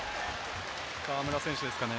河村選手ですかね。